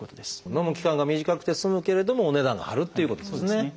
のむ期間が短くて済むけれどもお値段が張るっていうことですね。